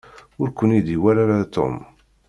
Ur ken-id-iwala ara Tom.